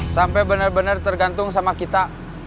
sampai bener bener tergantung sama kita